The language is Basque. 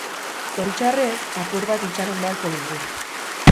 Zoritxarrez, apur bat itxaron beharko dugu.